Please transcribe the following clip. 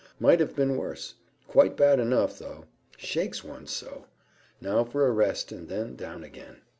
"Might have been worse. Quite bad enough, though. Shakes one so. Now for a rest, and then down again."